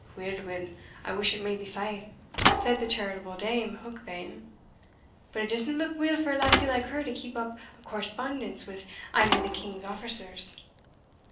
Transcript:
"Weel, weel, I wish it may be sae," said the charitable Dame Heukbane, "but it disna look weel for a lassie like her to keep up a correspondence wi' ane o' the king's officers."